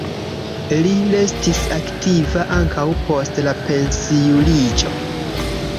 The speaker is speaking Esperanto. Li restis aktiva ankaŭ post la pensiuliĝo.